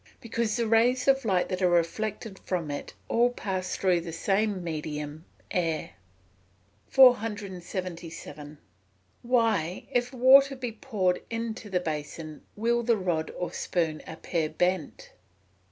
_ Because the rays of light that are reflected from it all pass through the same medium, the air. 477. _Why if water be poured into the basin will the rod or spoon appear bent?